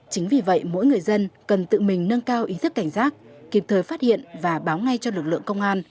chính vì vậy mỗi người dân cần tự mình nâng cao ý thức cảnh giác kịp thời phát hiện và báo ngay cho lực lượng công an